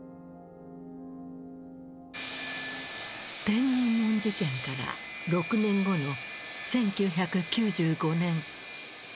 天安門事件から６年後の１９９５年。